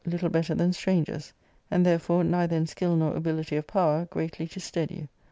little better than strangers, and, therefore, neither in skill'nor ability of power greatly to stead you.